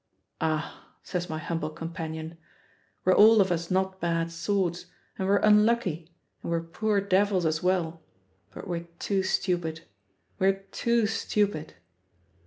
"Ah!" says my humble companion, "we're all of us not bad sorts, and we're unlucky, and we're poor devils as well. But we're too stupid, we're too stupid!"